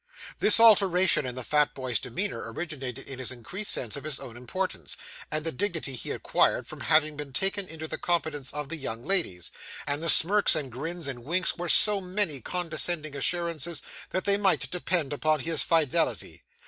This alteration in the fat boy's demeanour originated in his increased sense of his own importance, and the dignity he acquired from having been taken into the confidence of the young ladies; and the smirks, and grins, and winks were so many condescending assurances that they might depend upon his fidelity.